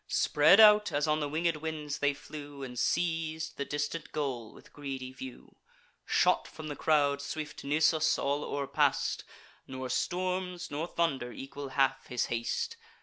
Spread out, as on the winged winds, they flew, And seiz'd the distant goal with greedy view. Shot from the crowd, swift Nisus all o'erpass'd; Nor storms, nor thunder, equal half his haste.